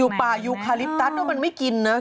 ป่ายูคาลิปตัสว่ามันไม่กินนะ